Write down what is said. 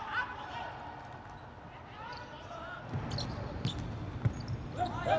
สวัสดีครับทุกคน